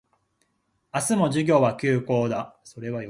明日も授業は休講だ